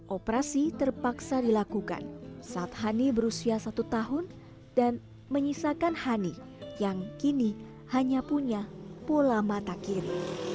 operasi terpaksa dilakukan saat hani berusia satu tahun dan menyisakan hani yang kini hanya punya pola mata kiri